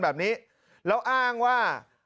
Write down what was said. แบบนี้แล้วอ้างว่า